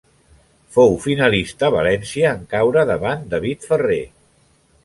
Fou finalista a València en caure davant David Ferrer.